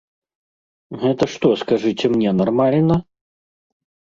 Гэта што, скажыце мне, нармальна?